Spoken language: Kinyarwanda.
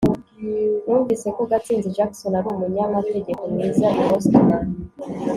numvise ko gatsinzi jackson ari umunyamategeko mwiza i boston